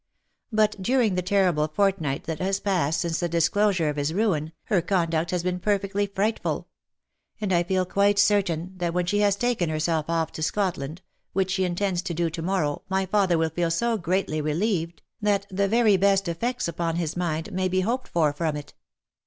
But during the terrible fortnight that has passed since the disclosure of his ruin, her conduct has been perfectly frightful — and I feel quite certain that when she has taken herself off to Scotland, which she intends to do to morrow, my father will feel so greatly relieved, that the very best effects upon his mind may be hoped for from it.